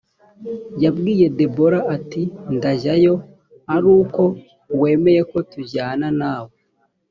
yabwiye debora ati ndajyayo ari uko wemeye ko tujyana na we